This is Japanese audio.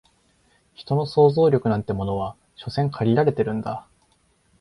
人の想像力なんてものは所詮限られてるんだ